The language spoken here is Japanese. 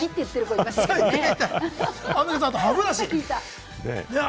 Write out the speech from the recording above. アンミカさん、歯ブラシ。